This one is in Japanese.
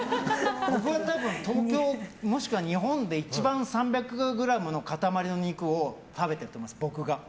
僕は多分東京もしくは日本で一番３００ｇの塊の肉を食べてると思います、僕が。